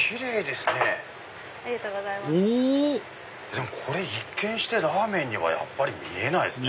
でもこれ一見してラーメンにはやっぱり見えないですね。